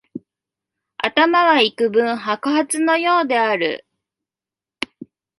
頭はいくぶん白髪のようである